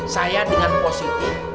saya dengan positif